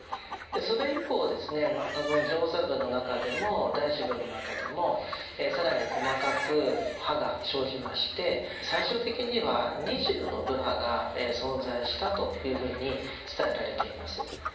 それ以降ですね上座部の中でも大衆部の中でも更に細かく派が生じまして最終的には２０の部派が存在したというふうに伝えられています。